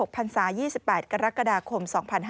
พันศา๒๘กรกฎาคม๒๕๕๙